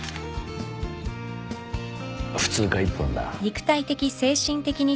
普通科一本だ。